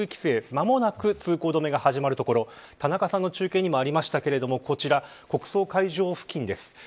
間もなく通行止めが始まる所田中さんの中継にもありましたが、こちら国葬会場付近です。